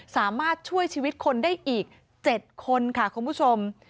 สามารถช่วยชีวิตคนได้อีก๗คนค่ะคุณผู้ชม